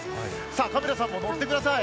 カメラさんも乗ってください。